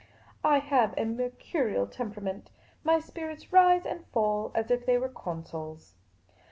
I have a mercurial temperament. My spirits rise and fall as if they were Consols.